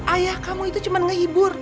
ayah kamu itu cuma ngehibur